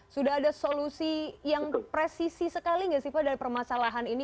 sudah ada solusi yang presisi sekali nggak sih pak dari permasalahan ini